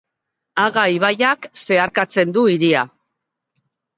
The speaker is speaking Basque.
Aga ibaiak zeharkatzen du hiria.